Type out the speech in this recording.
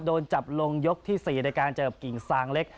โดนจับลงยกที่๔ในการเจอกับกิ่งซางเล็ก